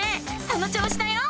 その調子だよ！